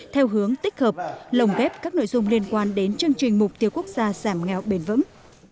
theo hướng tích hợp lồng ghép các nội dung liên quan đến chương trình mục tiêu quốc gia giảm nghèo bền vững